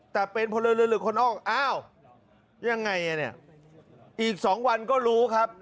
แต่เป็นผลลื่นคนออกอ้าวยังไงเนี่ยเนี่ยอีกสองวันก็รู้ครับ